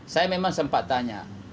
saya memang sempat tanya